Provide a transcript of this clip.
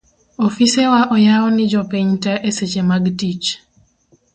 ofisewa oyaw ni jopiny te eseche mag tich